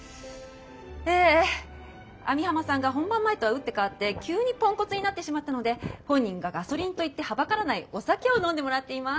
え網浜さんが本番前とは打って変わって急にポンコツになってしまったので本人がガソリンと言ってはばからないお酒を飲んでもらっています。